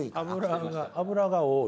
油が多い？